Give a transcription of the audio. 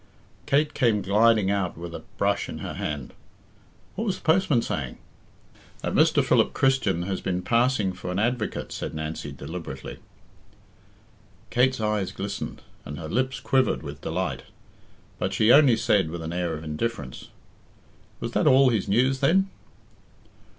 Kate came gliding out with a brush in her hand. "What was the postman saying?" "That Mr. Philip Christian has been passing for an advocate," said Nancy deliberately. Kate's eyes glistened, and her lips quivered with delight; but she only said, with an air of indifference, "Was that all his news, then?"